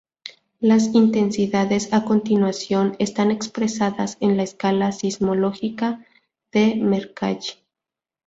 Las intensidades a continuación están expresadas en la escala sismológica de Mercalli.